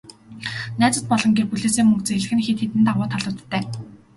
Найзууд болон гэр бүлээсээ мөнгө зээлэх нь хэд хэдэн давуу талуудтай.